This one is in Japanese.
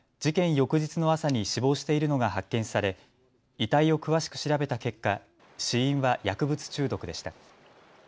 翌日の朝に死亡しているのが発見され遺体を詳しく調べた結果、死因は薬物中毒でした。